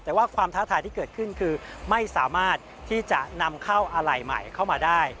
แต่ว่าความท้าทายที่เกิดขึ้นคือไม่สามารถที่จะนำเข้าอะไรใหม่เข้ามาได้